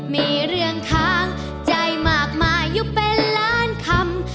มีเรื่องค้างใจมากมายอยู่เป็นล้านคำ